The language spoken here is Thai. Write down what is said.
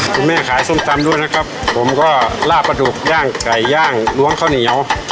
แม่ขายส้มตำด้วยนะครับผมก็ลาบปลาดุกย่างไก่ย่างล้วงข้าวเหนียว